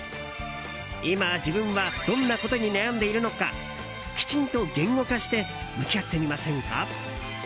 今、自分はどんなことに悩んでいるのかきちんと言語化して向き合ってみませんか？